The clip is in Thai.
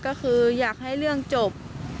ก็คืออยากให้เรื่องจบ